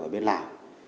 ở bên lào